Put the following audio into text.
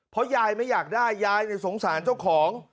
เพราะยายไม่อยากได้ยายสงสารเจ้าของ